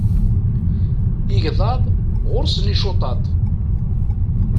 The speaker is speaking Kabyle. Igḍaḍ ɣur-sen icuṭaṭ.